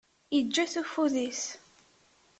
Yeǧǧa-t ufud-is.